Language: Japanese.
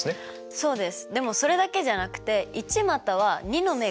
そうです。